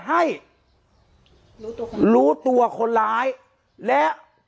การแก้เคล็ดบางอย่างแค่นั้นเอง